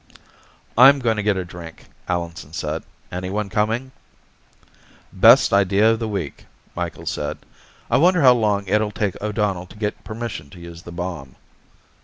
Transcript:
"I'm going to get a drink," Allenson said. "Anyone coming?" "Best idea of the week," Micheals said. "I wonder how long it'll take O'Donnell to get permission to use the bomb."